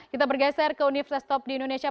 kita bergeser ke universitas top di indonesia